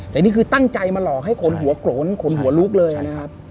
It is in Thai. แต่นี่คือตั้งใจมาหลอกให้คนหัวโกรนคนหัวลุกเลยนะครับ